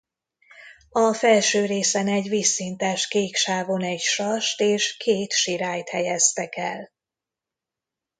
A felső részen egy vízszintes kék sávon egy sast és két sirályt helyeztek el.